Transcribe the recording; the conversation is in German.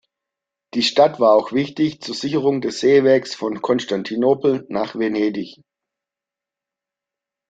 Die Stadt war auch wichtig zur Sicherung des Seewegs von Konstantinopel nach Venedig.